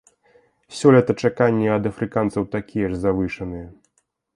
Сёлета чаканні ад афрыканцаў такія ж завышаныя.